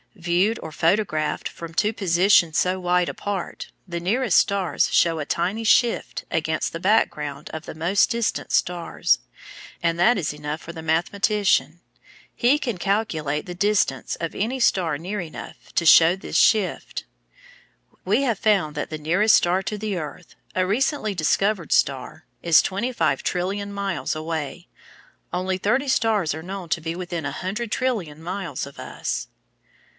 Viewed or photographed from two positions so wide apart, the nearest stars show a tiny "shift" against the background of the most distant stars, and that is enough for the mathematician. He can calculate the distance of any star near enough to show this "shift." We have found that the nearest star to the earth, a recently discovered star, is twenty five trillion miles away. Only thirty stars are known to be within a hundred trillion miles of us.